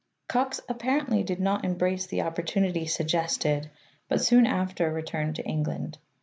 Cox apparently did not embrace the opportunity suggested, but soon after returned to England.